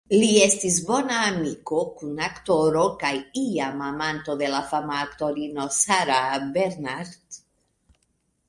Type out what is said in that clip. Li estis bona amiko, kun-aktoro, kaj iam amanto de la fama aktorino Sarah Bernhardt.